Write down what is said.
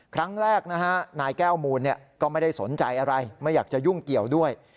ครั้งแรกนะฮะนายแก้วมูลก็ไม่ได้สนใจอะไรไม่อยากจะยุ่งเกี่ยวด้วย